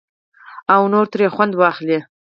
او نور ترې خوند واخلي.